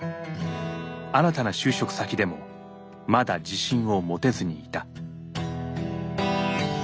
新たな就職先でもまだ自信を持てずにいた。